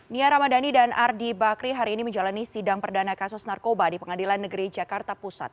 nia ramadhani dan ardi bakri hari ini menjalani sidang perdana kasus narkoba di pengadilan negeri jakarta pusat